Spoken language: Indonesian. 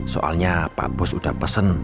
soalnya pak bus udah pesen